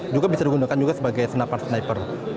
juga bisa digunakan juga sebagai senapan sniper